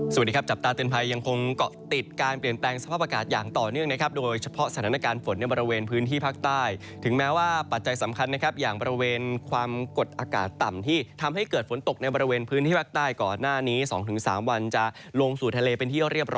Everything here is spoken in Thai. สวัสดีครับจับตาเตือนภัยยังคงเกาะติดการเปลี่ยนแปลงสภาพอากาศอย่างต่อเนื่องนะครับโดยเฉพาะสถานการณ์ฝนในบริเวณพื้นที่ภาคใต้ถึงแม้ว่าปัจจัยสำคัญนะครับอย่างบริเวณความกดอากาศต่ำที่ทำให้เกิดฝนตกในบริเวณพื้นที่ภาคใต้ก่อนหน้านี้๒๓วันจะลงสู่ทะเลเป็นที่เรียบร้อ